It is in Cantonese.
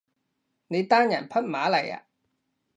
你單人匹馬嚟呀？